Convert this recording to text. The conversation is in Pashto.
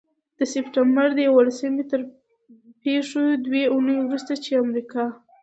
د سپټمبر د یوولسمې تر پيښو دوې اونۍ وروسته، چې امریکا